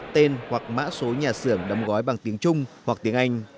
tên hoặc mã số nhà xưởng đấm gói bằng tiếng trung hoặc tiếng anh